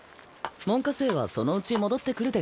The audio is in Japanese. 門下生はそのうち戻ってくるでござるよ。